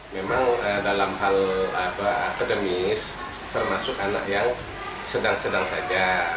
memang dalam hal akademis termasuk anak yang sedang sedang saja